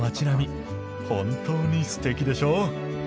本当にすてきでしょう？